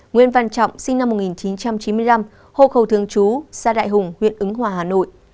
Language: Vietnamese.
nguyên văn trọng sinh năm một nghìn chín trăm chín mươi năm hộ khẩu thương chú xã đại hùng huyện ứng hòa hà nội